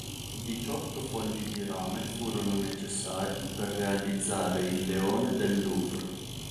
Diciotto fogli di rame furono necessari per realizzare il leone del Louvre.